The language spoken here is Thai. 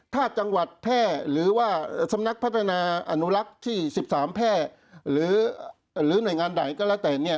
ถ้าจังหวัดแพร่หรือว่าสำนักพัฒนาอนุรักษ์ที่๑๓แพร่หรือหน่วยงานใดก็แล้วแต่เนี่ย